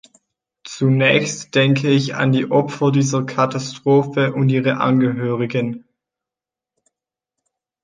Zunächst denke ich an die Opfer dieser Katastrophe und ihre Angehörigen.